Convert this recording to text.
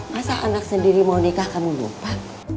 masa anak sendiri mau nikah kamu lupa